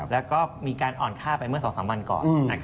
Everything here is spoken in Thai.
แล้วก็มีการอ่อนค่าไปเมื่อ๒๓วันก่อน